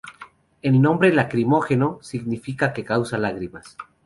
El nombre "Lacrimógeno" significa "que causa lágrimas".